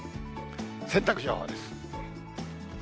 洗濯情報です。